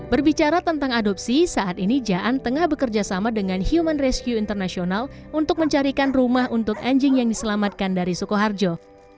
berbicara tentang adopsi saat ini jaan tengah bekerja sama dengan human rescue international untuk mencarikan rumah untuk anjing yang diselamatkan dari sukoharjo